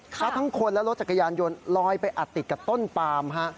ทั้งคนและรถจักรยานยนต์ลอยไปอัดติดกับต้นปามฮะ